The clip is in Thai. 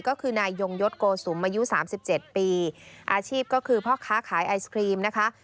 ก็คือนายยงยศโกสุมอายุสามสิบเจ็ดปีอาชีพก็คือพ่อค้าขายไอศครีมนะคะ